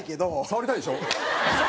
触りたいでしょ？